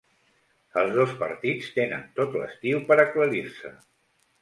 Els dos partits tenen tot l’estiu per aclarir-se.